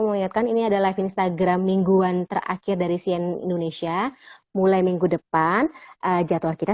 melihatkan ini adalah instagram mingguan terakhir dari sien indonesia mulai minggu depan jadwal kita